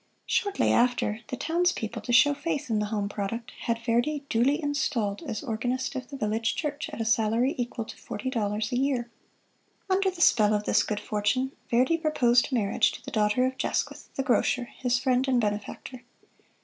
Shortly after, the townspeople, to show faith in the home product, had Verdi duly installed as organist of the village church at a salary equal to forty dollars a year. Under the spell of this good fortune, Verdi proposed marriage to the daughter of Jasquith, the grocer, his friend and benefactor.